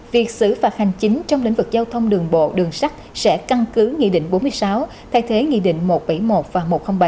việc xử phạt hành chính trong lĩnh vực giao thông đường bộ đường sắt sẽ căn cứ nghị định bốn mươi sáu thay thế nghị định một trăm bảy mươi một và một trăm linh bảy